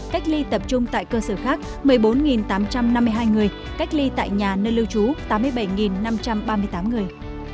cách ly tập trung tại cơ sở khác một mươi bốn tám trăm năm mươi hai người cách ly tại nhà nơi lưu trú tám mươi bảy năm trăm ba mươi tám người